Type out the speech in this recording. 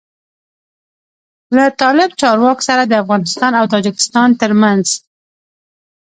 له طالب چارواکو سره د افغانستان او تاجکستان تر منځ